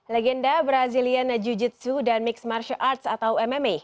legenda brazilian jiu jitsu dan mixed martial arts atau mma